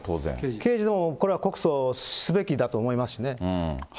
刑事でもこれは告訴すべきだと思いますしね。